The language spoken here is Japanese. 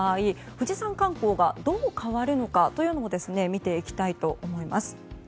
富士山観光がどう変わるのかを見ていきたいと思います。